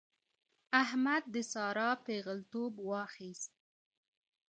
احمد د سارا پېغلتوب واخيست.